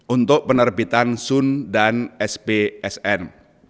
untuk penerbitan sun dan spsn